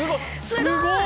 すごい。